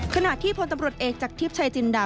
ขณะที่พลตำรวจเอกจากทิพย์ชายจินดา